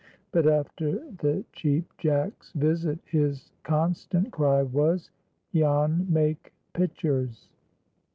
But after the Cheap Jack's visit his constant cry was, "Jan make pitchers."